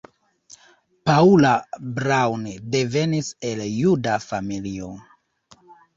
Paula Braun devenis el juda familio.